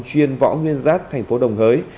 chuyên võ nguyên giáp thành phố đồng hới